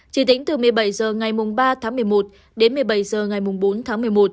chỉ tính từ một mươi bảy h ngày ba tháng một mươi một đến một mươi bảy h ngày bốn tháng một mươi một